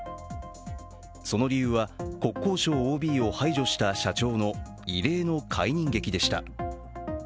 その理由は国交省ＯＢを排除した社長の異例の解任劇でした。